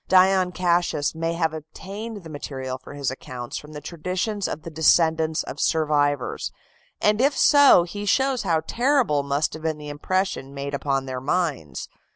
Dion Cassius may have obtained the material for his accounts from the traditions of the descendants of survivors, and if so he shows how terrible must have been the impression made upon their minds.